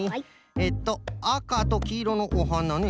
えっとあかときいろのおはなね。